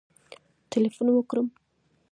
ټلېفون وکړم